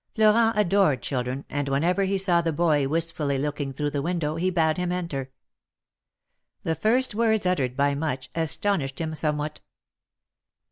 Florent adored children, and wlienever he saw the boy wistfully looking through the window, he bade him enter. The first words uttered by Much, astonished him somewhat.